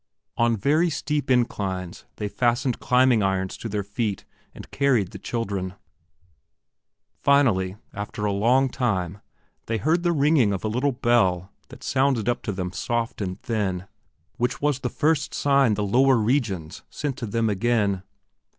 On very steep inclines they fastened climbing irons to their feet and carried the children. Finally, after a long time, they heard the ringing of a little bell that sounded up to them soft and thin, which was the first sign the lower regions sent to them again.